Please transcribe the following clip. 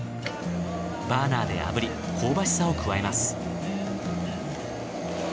バーナーで炙り香ばしさを加えます。